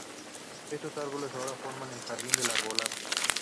Estos árboles ahora forman el jardín del arbolado.